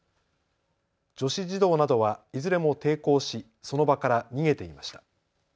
女子児童などはいずれも抵抗しその場から逃げていました。